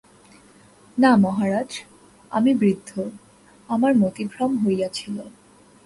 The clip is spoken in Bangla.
না মহারাজ, আমি বৃদ্ধ, আমার মতিভ্রম হইয়াছিল।